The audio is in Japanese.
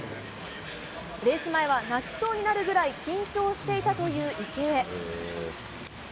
レース前は泣きそうになるぐらい緊張していたという池江。